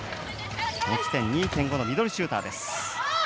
持ち点２．５のミドルシューターです。